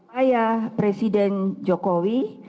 upaya presiden jokowi